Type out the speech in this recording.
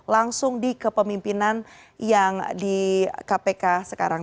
langsung di kepemimpinan yang di kpk sekarang